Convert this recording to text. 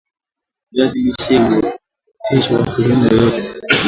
viazi lishe huoteshwa sehemu yoyote